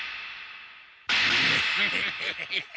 ヘヘヘヘ。